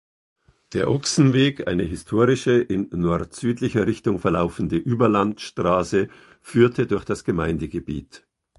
Der Ochsenweg, eine historische, in nord-südlicher Richtung verlaufende Überlandstraße, führte durch das Gemeindegebiet.